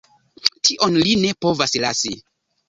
Tion li ne povas lasi!